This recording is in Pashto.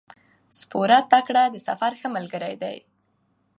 سپوره ټکله د سفر ښه ملګری دی.